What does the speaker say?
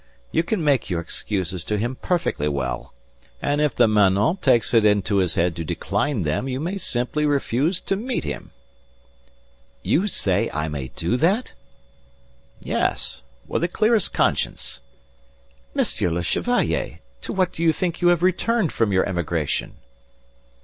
You can make your excuses to him perfectly well. And if the manant takes it into his head to decline them you may simply refuse to meet him." "You say I may do that?" "Yes. With the clearest conscience." "Monsieur le Chevalier! To what do you think you have returned from your emigration?"